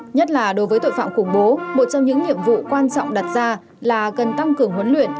nhất là đối với tội phạm khủng bố một trong những nhiệm vụ quan trọng đặt ra là cần tăng cường huấn luyện